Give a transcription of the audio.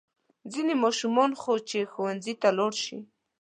ځینې ماشومان خو چې ښوونځي ته لاړ شي.